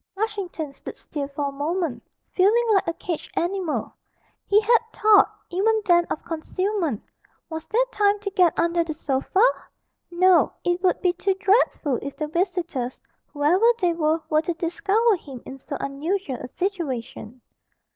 Flushington stood still for a moment, feeling like a caged animal; he had thoughts, even then, of concealment was there time to get under the sofa? No, it would be too dreadful if the visitors, whoever they were, were to discover him in so unusual a situation.